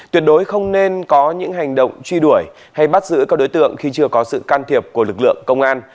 tuyệt đối không nên có những hành động truy đuổi hay bắt giữ các đối tượng khi chưa có sự can thiệp của lực lượng công an